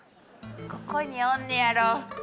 ここにおんねんやろ。